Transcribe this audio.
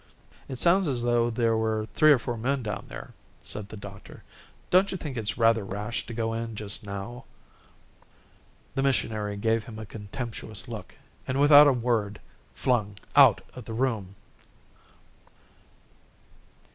"It sounds as though there were three or four men down there," said the doctor. "Don't you think it's rather rash to go in just now?" The missionary gave him a contemptuous look and without a word flung out of the room.